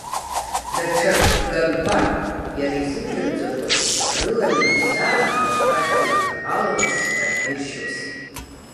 Даҽа ганқәак, иара изымдырӡақәоз рыла изаатуан ажәлар аламыс ҳәа иршьоз.